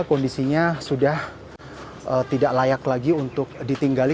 kondisinya sudah tidak layak lagi untuk ditinggali